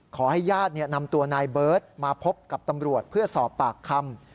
ขอให้ญาตินำตัวนายเบิร์ตมาพบกับตำรวจเพื่อสอบปากคำ